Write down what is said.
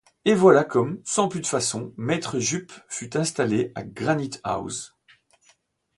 Et voilà comme, sans plus de façons, maître Jup fut installé à Granite-house.